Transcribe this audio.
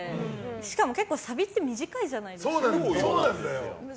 しかも結構サビって短いじゃないですか。